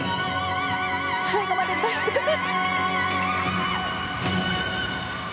最後まで出し尽くせ！